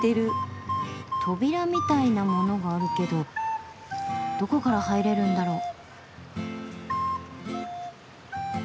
扉みたいなものがあるけどどこから入れるんだろう？